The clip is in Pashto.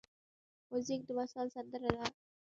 موزیک د وصال سندره ده.